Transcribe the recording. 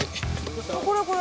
これこれ。